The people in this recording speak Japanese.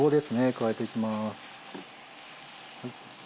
加えていきます。